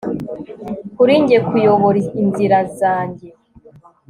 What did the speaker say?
kuri njye kuyobora inzira zanjye